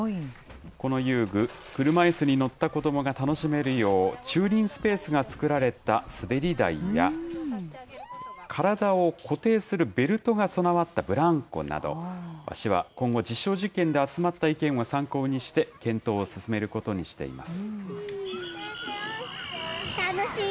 この遊具、車いすに乗った子どもが楽しめるよう、駐輪スペースが作られた滑り台や、体を固定するベルトが備わったブランコなど、市は今後、実証実験で集まった意見を参考にして、検討を進めることにしています。